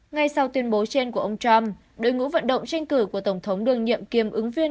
ngay sau tuyên bố trên của ông trump đội ngũ vận động tranh cử của tổng thống đương nhiệm kiêm ứng viên